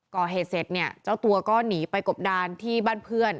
ก่อเหตุเสร็จเนี่ยเจ้าตัวก็หนีไปกบดานที่บ้านเพื่อน